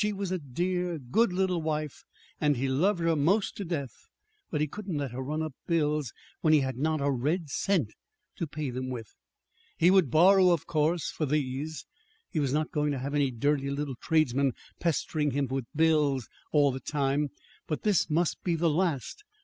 She was a dear, good little wife, and he loved her 'most to death; but he couldn't let her run up bills when he had not a red cent to pay them with. He would borrow, of course, for these he was not going to have any dirty little tradesmen pestering him with bills all the time! But this must be the last.